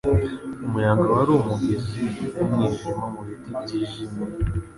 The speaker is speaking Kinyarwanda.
Umuyaga wari umugezi wumwijima mubiti byijimye,